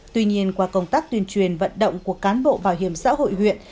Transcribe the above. tuy nhiên qua công tác tuyên truyền vận động của cán bộ bảo hiểm xã hội huyện